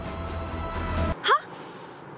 はっ？